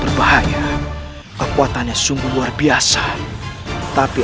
beliau memiliki bukalan pintu